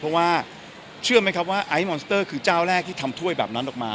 เพราะว่าเชื่อไหมครับว่าไอซ์มอนสเตอร์คือเจ้าแรกที่ทำถ้วยแบบนั้นออกมา